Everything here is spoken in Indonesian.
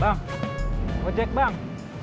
bang ojek bang